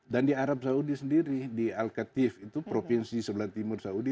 dan di arab saudi sendiri di al katif itu provinsi sebelah timur saudi